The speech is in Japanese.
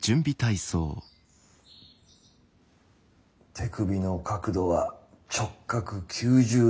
手首の角度は直角９０度を保つ。